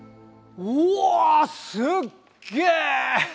うわすっげえ！